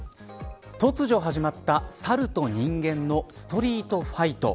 突如始まった、サルと人間のストリートファイト。